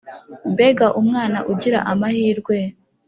Mbega umwana ugira amahirwe